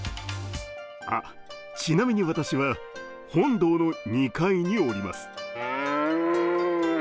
ちなみに私は本堂の２階におります！